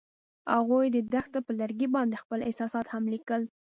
هغوی د دښته پر لرګي باندې خپل احساسات هم لیکل.